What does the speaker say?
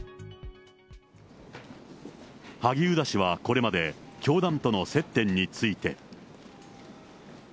萩生田氏はこれまで、教団との接点について。